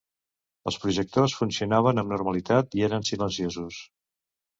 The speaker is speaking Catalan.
Els projectors funcionaven amb normalitat i eren silenciosos.